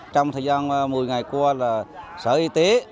trong thời gian một mươi ngày qua là sở y tế